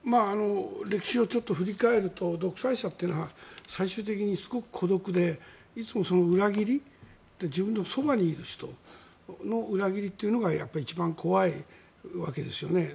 歴史をちょっと振り返ると独裁者というのは最終的にすごく孤独でいつも裏切り自分のそばにいる人の裏切りが一番怖いわけですよね。